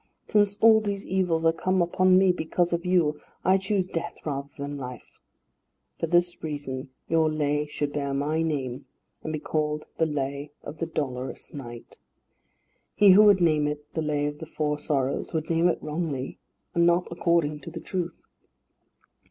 Since all these evils are come upon me because of you, I choose death rather than life. For this reason your Lay should bear my name, and be called the Lay of the Dolorous Knight. He who would name it the Lay of the Four Sorrows would name it wrongly, and not according to the truth."